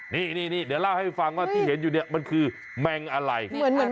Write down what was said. นี่เดี๋ยวเล่าให้ฟังว่าที่เห็นอยู่เนี่ยมันคือแมงอะไร